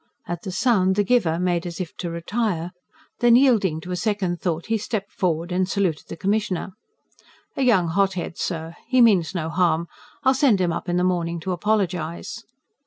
At the sound the giver made as if to retire. Then, yielding to a second thought, he stepped forward and saluted the Commissioner. "A young hot head, sir! He means no harm. I'll send him up in the morning, to apologise."